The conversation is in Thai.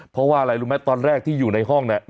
เพราะว่าอะไรรู้ไหมตอนแรกที่อยู่ในห้องเนี่ย